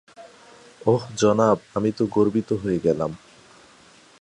ওহ জনাব আমি তো গর্বিত হয়ে গেলাম।